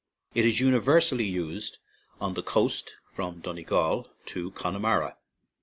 It is universally used on the coast from Donegal to Con nemara.)